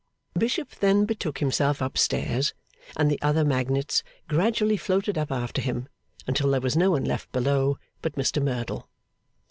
Bishop then betook himself up stairs, and the other magnates gradually floated up after him until there was no one left below but Mr Merdle.